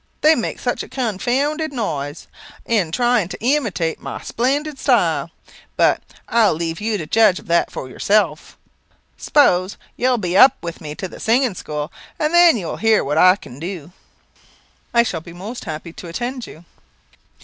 They make such a confounded noise, in trying to imitate my splendid style. But I'll leave you to judge of that for yourself. 'Spose you'll be up with me to the singing school, and then you will hear what I can do." "I shall be most happy to attend you."